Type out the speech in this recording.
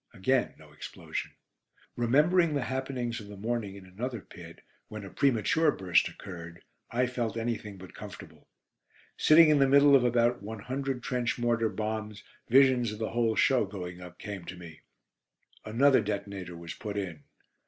Again no explosion. Remembering the happenings of the morning in another pit, when a premature burst occurred, I felt anything but comfortable. Sitting in the middle of about one hundred trench mortar bombs, visions of the whole show going up came to me. Another detonator was put in.